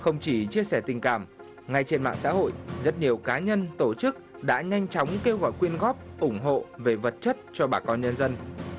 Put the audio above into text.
không chỉ chia sẻ tình cảm ngay trên mạng xã hội rất nhiều cá nhân tổ chức đã nhanh chóng kêu gọi quyên góp ủng hộ về vật chất cho bà con nhân dân